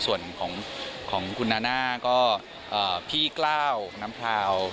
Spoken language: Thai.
ส่วนของคุณนาน่าก็พี่กล้าวน้ำพราว